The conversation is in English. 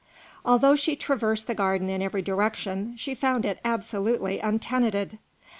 Although she traversed the garden in every direction, she found it absolutely untenanted.